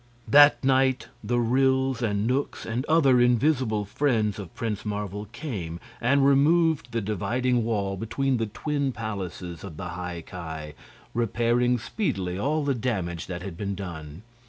That night the ryls and knooks and other invisible friends of Prince Marvel came and removed the dividing wall between the twin palaces of the High Ki, repairing speedily all the damage that had been done.